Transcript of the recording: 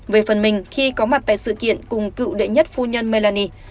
về phần mình khi có mặt tại sự kiện cùng cựu đệ nhất phu nhân melani